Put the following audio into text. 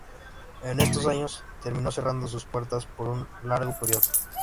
En estos años terminó cerrando sus puertas por un largo período.